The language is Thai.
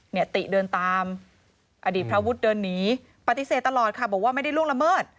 ติเดินตามอดีตพระวุฒิเดินหนีปฏิเสธตลอดค่ะบอกว่าไม่ได้ล่วงละเมิด